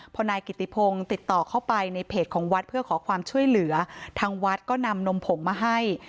พอนายกิติพงศ์ติดต่อเข้าไปในเพจของวัดเพื่อขอความช่วยเหลือทางวัดก็นำนมผงมาให้